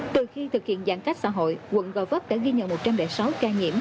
từ khi thực hiện giãn cách xã hội quận gò vấp đã ghi nhận một trăm linh sáu ca nhiễm